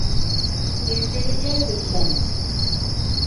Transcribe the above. Иртәгә тиклем!